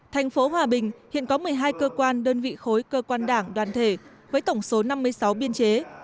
thành phố hòa bình hiện có một mươi hai cơ quan đơn vị khối cơ quan đảng đoàn thể với tổng số năm mươi sáu biên chế